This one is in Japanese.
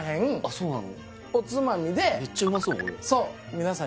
そうなの？